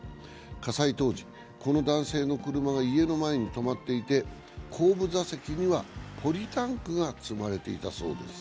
火災当時、この男性の車が家の前に止まっていて後部座席にはポリタンクが積まれていたそうです。